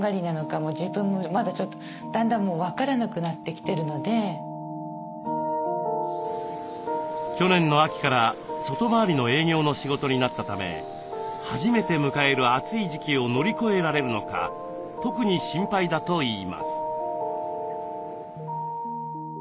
何人もの社員さんというか去年の秋から外回りの営業の仕事になったため初めて迎える暑い時期を乗り越えられるのか特に心配だといいます。